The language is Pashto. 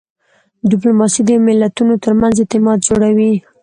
ډیپلوماسي د ملتونو ترمنځ اعتماد جوړوي.